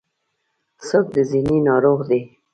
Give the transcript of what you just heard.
څوک ذهني ناروغ دی.